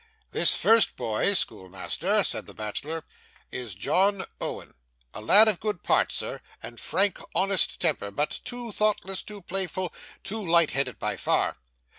'This first boy, schoolmaster,' said the bachelor, 'is John Owen; a lad of good parts, sir, and frank, honest temper; but too thoughtless, too playful, too light headed by far.